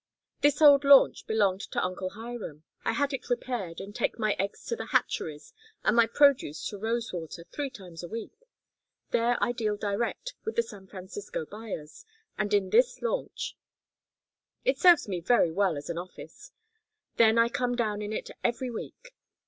This old launch belonged to Uncle Hiram. I had it repaired, and take my eggs to the hatcheries and my produce to Rosewater three times a week. There I deal direct with the San Francisco buyers and in this launch; it serves me very well as an office. Then I come down in it every week.